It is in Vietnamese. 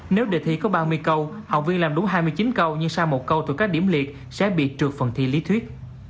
nếu đề thi có ba mươi câu học viên làm đúng hai mươi chín câu nhưng sang một câu từ các điểm liệt sẽ bị trượt phần thi lý thuyết